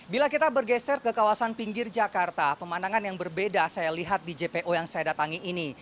bila kita bergeser ke kawasan pinggir jakarta pemandangan yang berbeda saya lihat di jpo yang saya datangi ini